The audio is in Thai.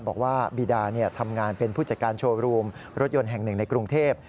บอกว่าบีดาทำงานเป็นผู้จัดการโชว์รูมรถยนต์แห่งหนึ่งในกรุงเทพ